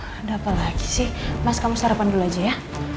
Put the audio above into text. ada apa lagi sih mas kamu sarapan dulu aja ya